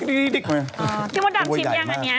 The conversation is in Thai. พี่มดดำชิมยังอันนี้